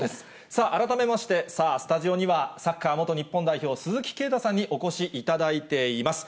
さあ、改めまして、さあ、スタジオにはサッカー元日本代表、鈴木啓太さんにお越しいただいています。